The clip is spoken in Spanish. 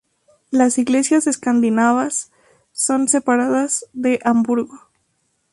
Las iglesias escandinavas son separadas de Hamburgo.